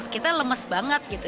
kita lemes banget gitu